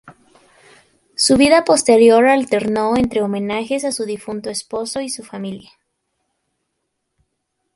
Su vida posterior alternó entre homenajes a su difunto esposo y su familia.